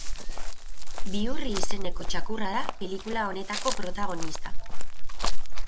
Bihurri izeneko txakurra da pelikula honetako protagonista.